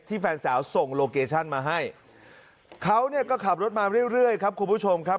ที่แฟนสาวส่งโลเกชั่นมาให้เขาก็ขับรถมาเรื่อยครับคุณผู้ชมครับ